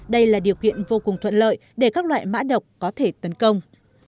đây là điều kiện vô cùng thuận lợi để các loại mã độc có thể tấn công